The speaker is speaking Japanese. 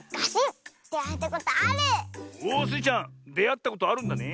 おっスイちゃんであったことあるんだね。